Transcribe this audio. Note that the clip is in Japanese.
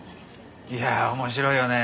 いや面白いよね。